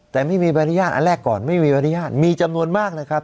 แต่ไม่มีบรรยาทอันแรกก่อนไม่มีบรรยาทมีจำนวนมากนะครับ